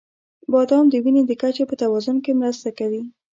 • بادام د وینې د کچې په توازن کې مرسته کوي.